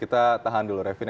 kita tahan dulu revin